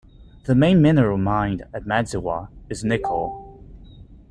The main mineral mined at Madziwa is nickel.